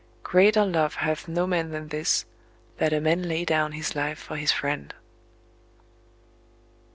Greater love hath no man than this, that a man lay down his life for his friend....